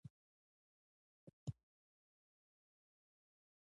د انار دانه د هضم لپاره وکاروئ